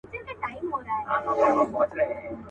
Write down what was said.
دا متل دی له پخوا د اولنیو.